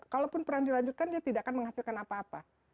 kalaupun perang dilanjutkan dia tidak akan menghasilkan apa apa